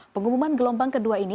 pengumuman gelombang kedua ini